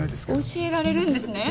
教えられるんですね？